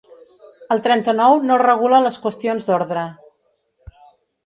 El trenta-nou no regula les qüestions d’ordre.